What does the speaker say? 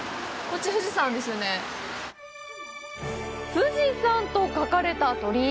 「冨士山」と書かれた鳥居。